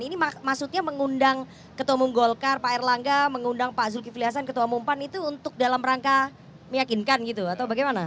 ini maksudnya mengundang ketua umum golkar pak erlangga mengundang pak zulkifli hasan ketua umum pan itu untuk dalam rangka meyakinkan gitu atau bagaimana